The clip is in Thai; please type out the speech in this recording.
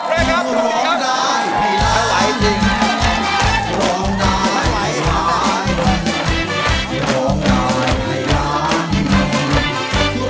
และดีกว่าคุณไมค์นะครับ